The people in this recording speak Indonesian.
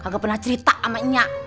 gak pernah cerita sama nyak